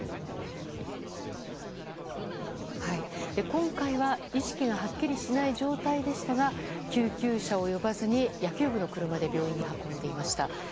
今回は意識がはっきりしない状態でしたが救急車を呼ばずに野球部の車で病院に運んでいました。